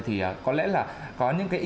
thì có lẽ là có những ý tưởng mới